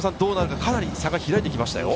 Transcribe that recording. かなり差が開いてきましたよ。